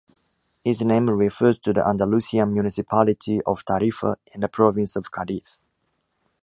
Its name refers to the Andalusian municipality of Tarifa, in the province of Cadiz.